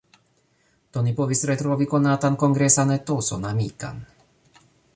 Do ni povis retrovi konatan kongresan etoson amikan.